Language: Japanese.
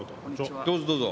どうぞどうぞ。